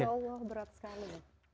ya allah berat sekali